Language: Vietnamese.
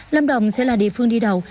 lâm đồng sẽ là địa phương đi đầu